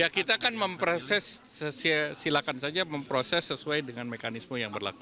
ya kita kan memproses silakan saja memproses sesuai dengan mekanisme yang berlaku